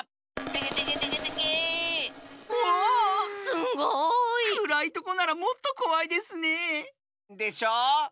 すごい！くらいとこならもっとこわいですねえ。でしょう？